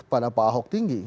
pada pak ahok tinggi